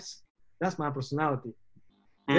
bahkan kalian itu personalitas gue